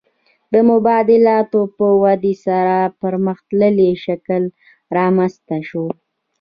د مبادلاتو په ودې سره پرمختللی شکل رامنځته شو